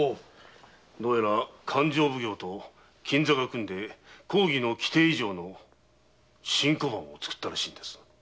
どうやら勘定奉行と金座が組んで公儀の規定以上の新小判をつくったらしいのです。